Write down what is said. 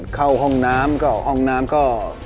เข้าห้องน้ำก็ห้องน้ำก็